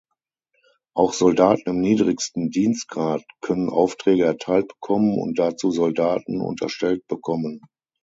Auch Soldaten im niedrigsten Dienstgrad können Aufträge erteilt bekommen und dazu Soldaten unterstellt bekommen.